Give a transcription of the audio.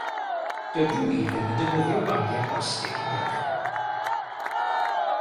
Dydw i ddim yn defnyddio bagiau plastig mwyach.